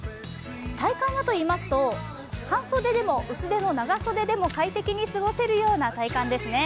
体感はといいますと、半袖でも薄手の長袖でも快適に過ごせるような体感です。